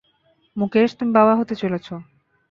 মুকেশ, তুমি বাবা হতে চলেছ।